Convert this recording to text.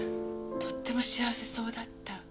とっても幸せそうだった。